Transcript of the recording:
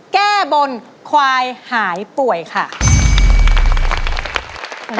แก้บนควายหายป่วยค่ะ